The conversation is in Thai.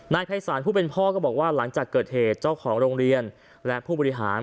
ภัยศาลผู้เป็นพ่อก็บอกว่าหลังจากเกิดเหตุเจ้าของโรงเรียนและผู้บริหาร